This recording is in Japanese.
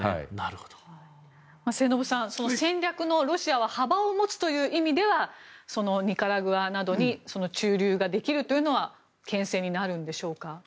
末延さん、ロシアが戦略の幅を持つという意味ではニカラグアに駐留ができるのは牽制になるんでしょうか。